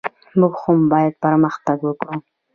موږ هم باید پرمختګ وکړو.